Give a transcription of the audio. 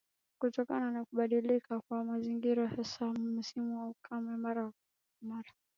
Kutokana na kubadilika kwa mazingira hasa msimu wa ukame wa mara kwa mara